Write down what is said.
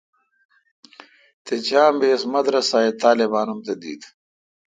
تے چام بی اس مدرسہ اے طالبان ام تہ دیت